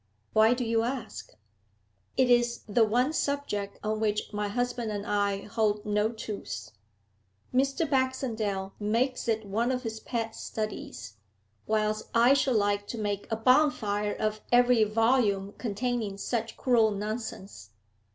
Why do you ask?' 'It is the one subject on which my husband and I hold no truce. Mr. Baxendale makes it one of his pet studies, whilst I should like to make a bonfire of every volume containing such cruel nonsense.